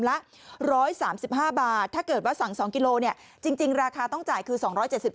ละ๑๓๕บาทถ้าเกิดว่าสั่ง๒กิโลเนี่ยจริงราคาต้องจ่ายคือ๒๗๐บาท